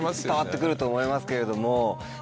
伝わって来ると思いますけれども。